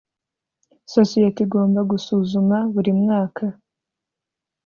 sosiyete igomba gusuzuma buri mwaka